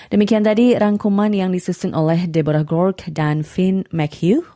demikian tadi rangkuman yang disusun oleh deborah gork dan finn mchugh